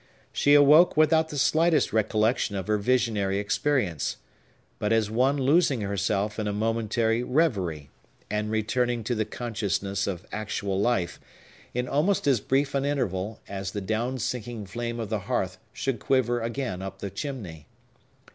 She awoke without the slightest recollection of her visionary experience; but as one losing herself in a momentary reverie, and returning to the consciousness of actual life, in almost as brief an interval as the down sinking flame of the hearth should quiver again up the chimney.